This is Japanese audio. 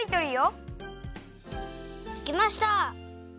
できました！